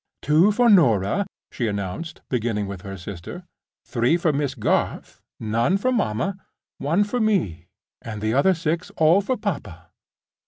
"Two for Norah," she announced, beginning with her sister. "Three for Miss Garth. None for mamma. One for me. And the other six all for papa.